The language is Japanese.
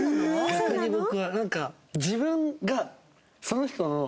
逆に僕は。